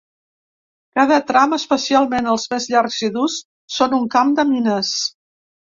Cada tram, especialment els més llargs i durs, són un camp de mines.